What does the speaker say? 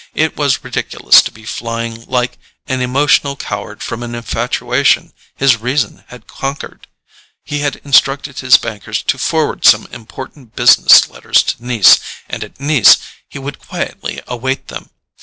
It was ridiculous to be flying like an emotional coward from an infatuation his reason had conquered. He had instructed his bankers to forward some important business letters to Nice, and at Nice he would quietly await them.